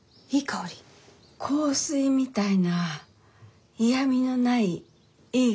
香水みたいな嫌みのないいい香り。